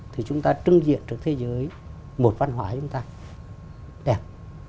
thì chúng ta trưng diện trên thế giới một văn hóa chúng ta đẹp